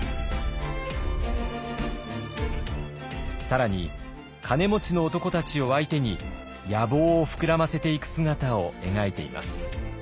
更に金持ちの男たちを相手に野望を膨らませていく姿を描いています。